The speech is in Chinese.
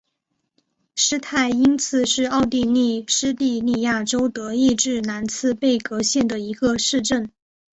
施泰因茨是奥地利施蒂利亚州德意志兰茨贝格县的一个市镇。